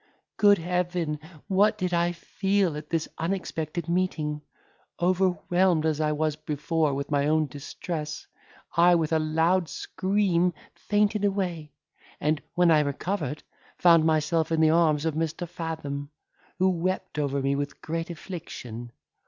Good Heaven! what did I feel at this unexpected meeting, overwhelmed as I was before with my own distress! I with a loud scream fainted away, and, when I recovered, found myself in the arms of Mr. Fathom, who wept over me with great affliction.